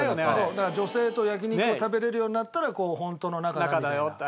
だから女性と焼き肉を食べれるようになったらホントの仲だみたいな。